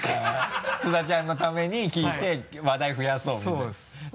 津田ちゃんのために聴いて話題増やそうみたいな。